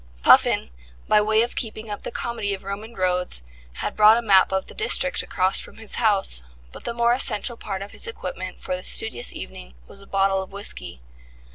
Puffin, by way of keeping up the comedy of Roman roads, had brought a map of the district across from his house, but the more essential part of his equipment for this studious evening was a bottle of whisky.